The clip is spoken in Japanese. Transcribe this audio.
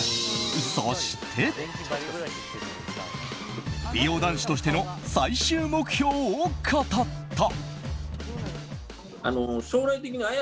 そして、美容男子としての最終目標を語った。